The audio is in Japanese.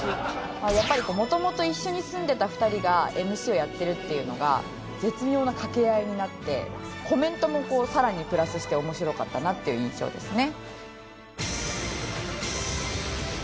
やっぱり元々一緒に住んでた２人がＭＣをやってるっていうのが絶妙なかけ合いになってコメントもこうさらにプラスして面白かったなっていう印象ですね。